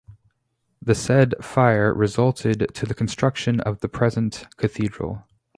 The said fire resulted to the construction of the present cathedral.